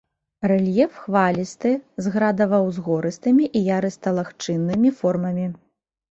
Рэльеф хвалісты з градава-ўзгорыстымі і ярыста-лагчыннымі формамі.